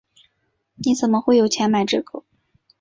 你怎么会有钱买这个？